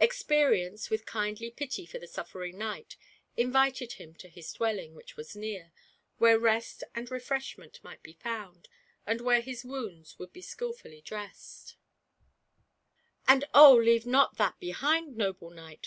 Expe rience, with kindly pity for the suffering knight, invited him to his dwelling, which was near, where rest and refreshment might be found, ajid where his Wounds would be skiliiilly dressed. 158 GIANT PBIDE. And oh, leave not that behind, noble knight